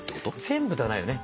全部ではないよね。